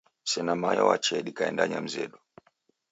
Sena mayo wachee dikaendanya mzedu